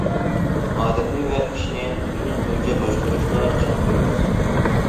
ئادەمنى ۋە ئىشنى تۈزۈم بويىچە باشقۇرۇشتا چىڭ تۇرىمىز.